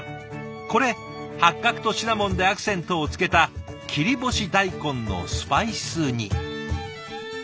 これ八角とシナモンでアクセントをつけた切り干し大根のスパイス煮。